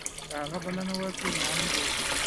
که هغه بلنه ورکړي نو عمل به وکړي.